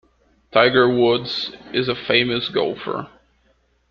Tiger Woods is a famous golfer.